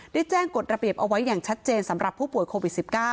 ได้แจ้งกฎระเบียบเอาไว้อย่างชัดเจนสำหรับผู้ป่วยโควิด๑๙